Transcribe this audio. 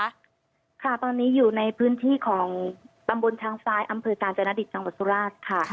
ค่ะตอนนี้อยู่ในพื้นที่ของตำบลทางซ้ายอำเภอกาญจนดิตจังหวัดสุราชค่ะ